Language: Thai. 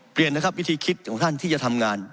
เปลี่ยนนะครับวิธีคิดของท่านที่จะทำงาน